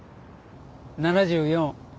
７４。